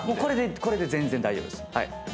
これで全然大丈夫です。